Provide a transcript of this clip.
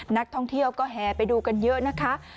นักท่องเที่ยวก็แห่ไปดูกันเยอะนะคะ